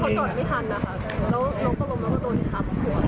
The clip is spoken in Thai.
แล้วคือเขาจอดไม่ทันนะครับ